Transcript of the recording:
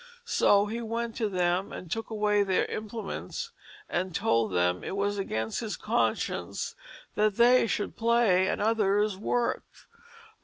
So he went to them and took away their implements and tould them it was against his conscience that they should play and others work."